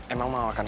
emang mama kenal